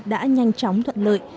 đã nhanh chóng thuận lợi